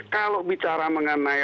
kalau bicara mengenai